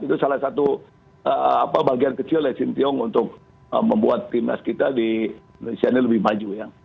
itu salah satu bagian kecil ya sintiong untuk membuat timnas kita di indonesia ini lebih maju ya